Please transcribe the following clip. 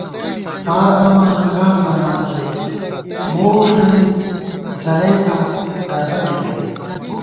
فار آما ہنگار ځلا ژَئی مو وُݭٹمېت ځلَئیکاں دربَکے گئیم